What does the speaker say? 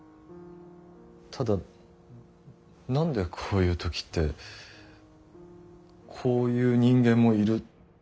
ただ何でこういう時って「こういう人間もいる」